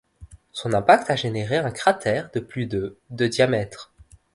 Son impact a généré un cratère de plus de de diamètre.